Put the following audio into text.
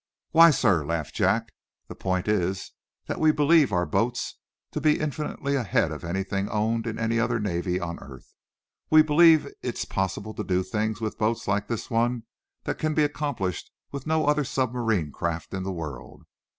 "Why, sir," laughed Jack, "the point is that we believe our boats to be infinitely ahead of anything owned in any other navy on earth. We believe it possible to do things, with boats like this one, that can be accomplished with no other submarine craft in the world.